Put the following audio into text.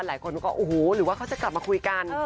หลายคนก็โอ้โหหรือว่าเขาจะกลับมาคุยกัน